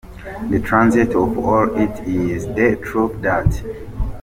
The transient of all of it is the truth that .